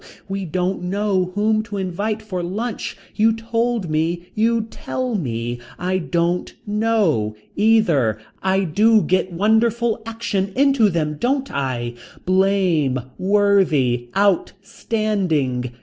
We don't know whom to invite for lunch. You told me you'd tell me. I don't know. Either. I do get wonderful action into them don't I. Blame. Worthy. Out. Standing.